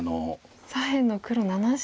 左辺の黒７子。